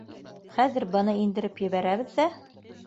Хәҙер быны индереп ебәрәбеҙ ҙә